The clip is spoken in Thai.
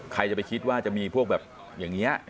ใครจะไปคิดว่าจะมีพวกแบบอย่างนี้